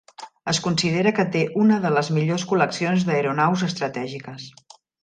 Es considera que té una de les millors col·leccions d'aeronaus estratègiques.